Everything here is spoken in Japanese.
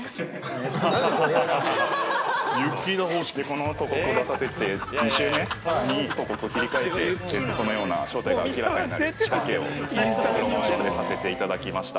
◆この広告を出して２週目に、広告を切り替えて、このような正体が明らかになる仕掛けをプロモーションでさせていただきました。